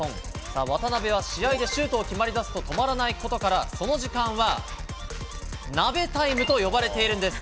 さあ、渡邉は試合でシュートが決まりだすと止まらないことから、その時間は、ナベタイムと呼ばれているんです。